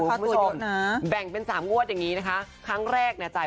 คุณผู้ชมนะแบ่งเป็นสามงวดอย่างนี้นะคะครั้งแรกเนี่ยจ่าย